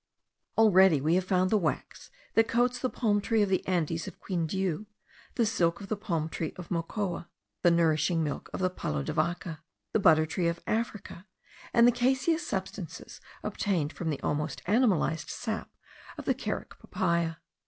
Already we have found the wax that coats the palm tree of the Andes of Quindiu, the silk of the palm tree of Mocoa, the nourishing milk of the palo de vaca, the butter tree of Africa, and the caseous substances obtained from the almost animalized sap of the Carica papaya.